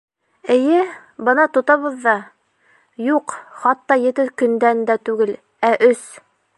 Эйе, бына тотабыҙ ҙа... юҡ, хатта ете көндән дә түгел, ә өс!